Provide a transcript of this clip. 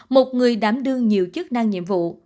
một người đảm đương nhiều chức năng nhiệm vụ